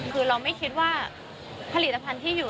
คือเราไม่คิดว่าผลิตภัณฑ์ที่อยู่